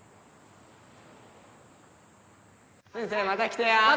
先生また来てや